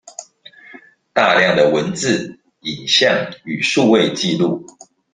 大量的文字、影像與數位紀錄